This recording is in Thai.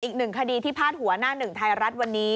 อีกหนึ่งคดีที่พาดหัวหน้าหนึ่งไทยรัฐวันนี้